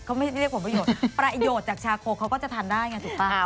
เขาไม่ได้เรียกผลประโยชน์ประโยชน์จากชาโคเขาก็จะทานได้ไงถูกป่ะ